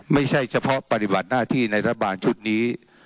ไม่ใช่เฉพาะปฏิบัติหน้าที่ในรัฐบาลชุดนี้